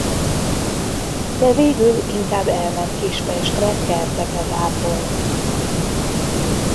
De végül inkább elment Kispestre kerteket ápolni.